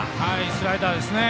スライダーですね。